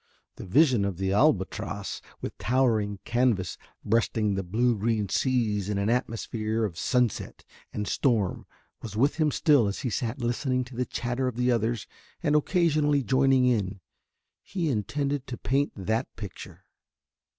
The vision of the Albatross with towering canvas breasting the blue green seas in an atmosphere of sunset and storm was with him still as he sat listening to the chatter of the others and occasionally joining in. He intended to paint that picture.